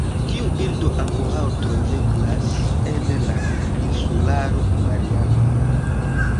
Tiu birdo ankoraŭ troveblas en la insularo Marianoj.